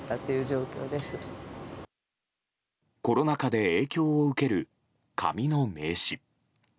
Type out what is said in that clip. コロナ禍で影響を受ける紙の名刺。